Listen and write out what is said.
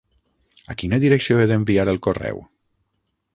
A quina direcció he d'enviar el correu?